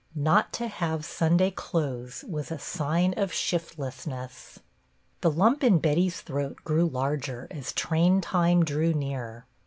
Not to have Sunday clothes was a sign of shiftlessness. The lump in Betty's throat grew larger as train time drew near.